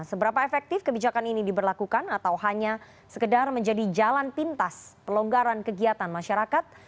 seberapa efektif kebijakan ini diberlakukan atau hanya sekedar menjadi jalan pintas pelonggaran kegiatan masyarakat